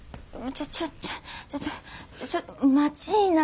ちょっちょちょっちょっちょっと待ちぃな。